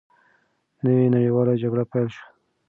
نوې نړیواله جګړه پیل شوه.